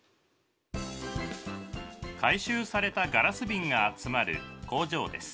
回収されたガラス瓶が集まる工場です。